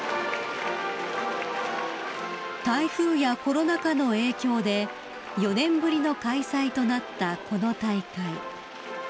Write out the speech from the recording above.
［台風やコロナ禍の影響で４年ぶりの開催となったこの大会］